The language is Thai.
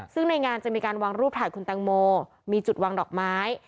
ซึ่งในงานจะมีการวางรูปถ่ายคุณแตงโมมีจุดวางดอกไม้